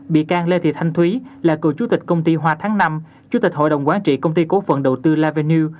bị can lê thị thanh thúy là cựu chủ tịch công ty hoa tháng năm chủ tịch hội đồng quán trị công ty cố phận đầu tư la venue